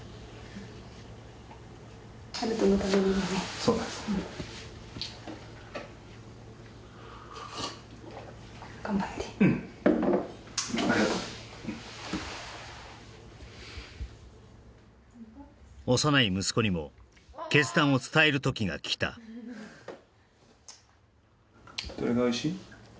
そうねうん幼い息子にも決断を伝える時が来たどれがおいしい？